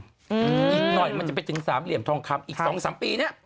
อีกหน่อยมันจะไปถึงสามเหลี่ยมทองคำอีก๒๓ปีเนี่ย